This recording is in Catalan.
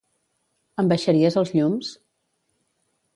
Em baixaries els llums?